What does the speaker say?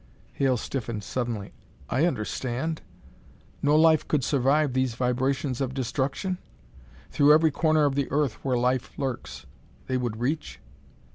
Hale stiffened suddenly. "I understand. No life could survive these vibrations of destruction? Through every corner of the earth where life lurks, they would reach?"